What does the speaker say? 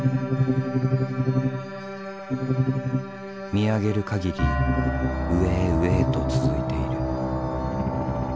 見上げる限り上へ上へと続いている。